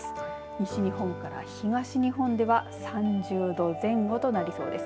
西日本から東日本では３０度前後となりそうです。